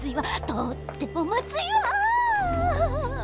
とってもまずいわ。